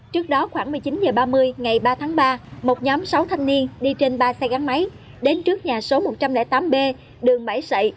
trước đó khoảng một mươi chín h ba mươi ngày ba tháng ba một nhóm sáu thanh niên đi trên ba xe gắn máy đến trước nhà số một trăm linh tám b đường bảy sậy